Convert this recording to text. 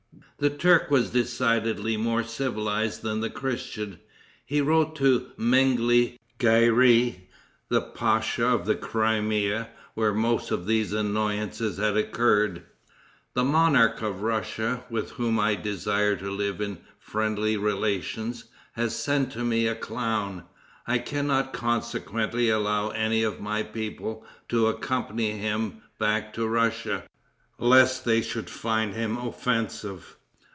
The Turk was decidedly more civilized than the Christian. He wrote to Mengli Ghirei, the pacha of the Crimea, where most of these annoyances had occurred: "The monarch of Russia, with whom I desire to live in friendly relations, has sent to me a clown. I can not consequently allow any of my people to accompany him back to Russia, lest they should find him offensive.